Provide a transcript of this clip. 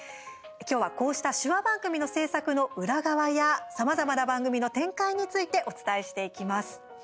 今日は、こうした手話番組の制作の裏側やさまざまな番組の展開についてお伝えしていきます。